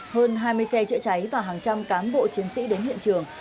hơn hai mươi xe chữa cháy và hàng trăm cán bộ chiến sĩ đến hiện trường